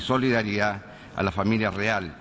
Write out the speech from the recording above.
ขอบคุณครับ